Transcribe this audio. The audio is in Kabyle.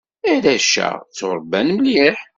Arrac-a ttuṛebban mliḥ.